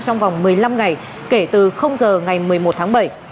trong vòng một mươi năm ngày kể từ giờ ngày một mươi một tháng bảy